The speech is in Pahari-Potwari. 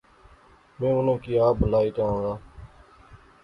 میں اُنہاں کی آپ بلائی تے آنزا